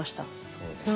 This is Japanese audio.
そうですね。